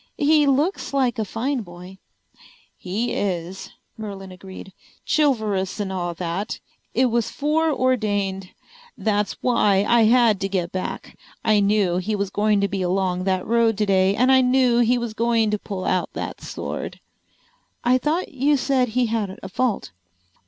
"He looks like a fine boy." "He is," Merlin agreed. "Chivalrous and all that. It was foreordained. That's why I had to get back. I knew he was going to be along that road today, and I knew he was going to pull out that sword." "I thought you said he had a fault."